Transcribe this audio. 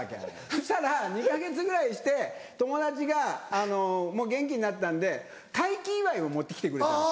そしたら２か月ぐらいして友達がもう元気になったんで快気祝いを持って来てくれたの。